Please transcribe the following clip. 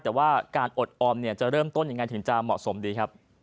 แต่ว่าการอดออมเนี่ยจะเริ่มต้นยังไงถึงจะเหมาะสมดีครับ